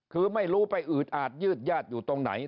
คือไม่รู้ไปอืดอาดยืดญาติอยู่ตรงไหน